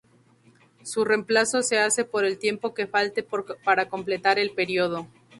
Su reemplazo se hace por el tiempo que falte para completar el período.